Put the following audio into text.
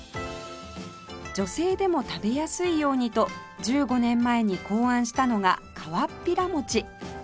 女性でも食べやすいようにと１５年前に考案したのがかわっぴら餅